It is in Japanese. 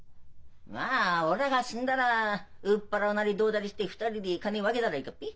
まあおらが死んだら売っ払うなりどうだりして２人で金分けたらいかっぺ。